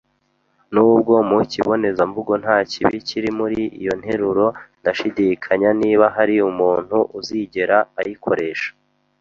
Nubwo mu kibonezamvugo nta kibi kiri muri iyi nteruro, ndashidikanya niba hari umuntu uzigera ayikoresha.